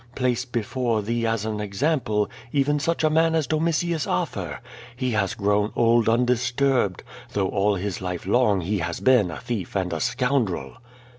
Place be fore thee as an example even such a man as Domitius Afcr. He has grown old undisturbed, though all his life long he has been a thief and a scoundrel."